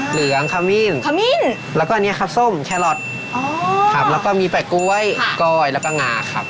เหลืองคามินแล้วก็อันนี้ครับส้มแคลอทครับแล้วก็มีแปดกล้วยกรอยแล้วก็งาครับ